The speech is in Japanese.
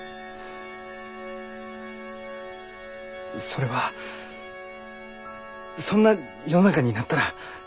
それはそんな世の中になったら。